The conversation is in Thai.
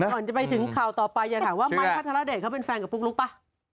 ก่อนจะไปถึงข่าวต่อไปอย่าถามว่ามันธรรดิ์เขาเป็นแฟนกับพวกลูกป่ะ